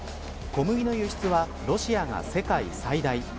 小麦の輸出はロシアが世界最大。